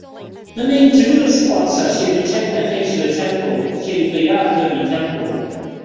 The main tourist spots are Sri Chenna Keshava Temple, Sri Kayarthodi Temple.